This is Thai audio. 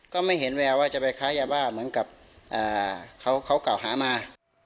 ก็ไม่เห็นแววว่าจะไปค้ายาบ้าเหมือนกับเขากล่าวหามา